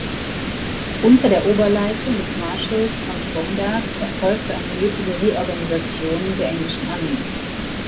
Unter der Oberleitung des Marshalls von Schomberg erfolgte eine nötige Reorganisation der englischen Armee.